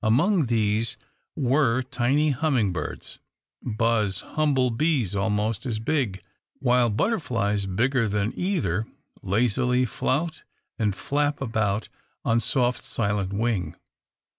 Among these whirr tiny humming birds, buzz humble bees almost as big, while butterflies bigger than either lazily flout and flap about on soft, silent wing.